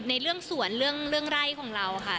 ในเรื่องสวนเรื่องไร่ของเราค่ะ